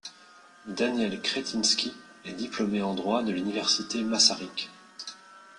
Daniel Křetínský est diplômé en droit de l'université Masaryk.